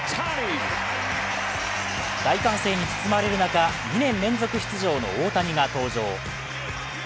大歓声に包まれる中、２年連続出場の大谷が登場。